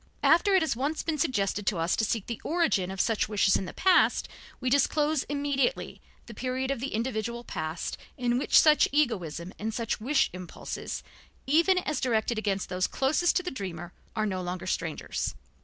After it has once been suggested to us to seek the origin of such wishes in the past, we disclose immediately the period of the individual past in which such egoism and such wish impulses, even as directed against those closest to the dreamer, are no longer strangers.